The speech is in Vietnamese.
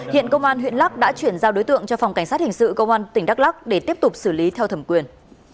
hiện công an huyện lắc đã chuyển giao đối tượng cho phòng cảnh sát hình sự công an tỉnh đắk lắc để tiếp tục xử lý theo thẩm quyền